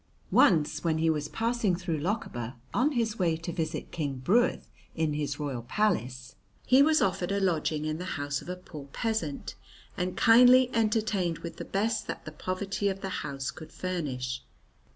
Once when he was passing through Lochaber on his way to visit King Bruidh in his royal palace, he was offered a lodging in the house of a poor peasant and kindly entertained with the best that the poverty of the house could furnish.